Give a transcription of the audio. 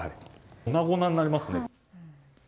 粉々になりますね。